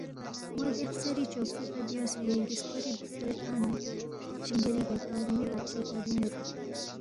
مو دے خسیری چوکی کھہ بیُونگسے گِسکوری کھورے ہلتا نہ ستق شِنگیلی گوے کھہ رُومی بادشی ہلا بیونگ یود